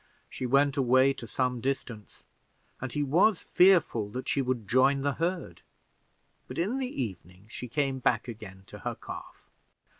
She went away to some distance, and he was fearful that she would join the herd, but in the evening she came back again to her calf.